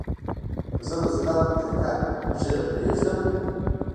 که زه د سنت په طريقه ږيره پرېږدم.